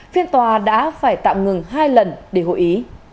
phiên tòa đã phải tạm ngừng hai lần để hội ý